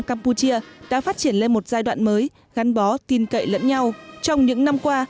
campuchia đã phát triển lên một giai đoạn mới gắn bó tin cậy lẫn nhau trong những năm qua